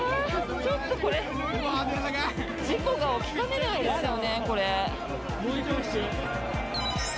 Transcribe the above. ちょっとこれ事故が起きかねないですよね。